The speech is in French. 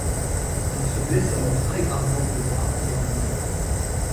Il se blesse alors très gravement au bras et à la main.